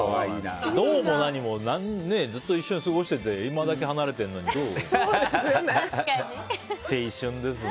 どう？も何もずっと一緒に過ごしてて今だけ離れてるのに、どう？